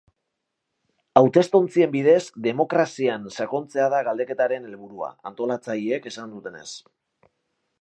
Hautestontzien bidez, demokrazian sakontzea da galdeketaren helburua, antolatzaileek esan dutenez.